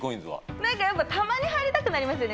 なんかやっぱ、たまに入りたくなりますよね。